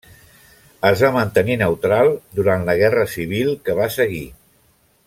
Es va mantenir neutral durant la guerra civil que va seguir.